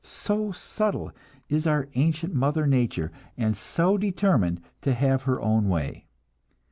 So subtle is our ancient mother nature, and so determined to have her own way!